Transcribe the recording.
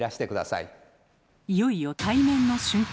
いよいよ対面の瞬間。